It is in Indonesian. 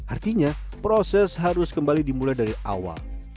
artinya proses harus kembali dimulai dari awal